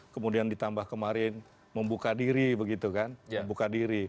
kemudian ditambah kemarin membuka diri begitu kan